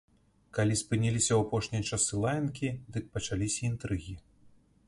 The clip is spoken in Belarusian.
Калі спыніліся ў апошнія часы лаянкі, дык пачаліся інтрыгі.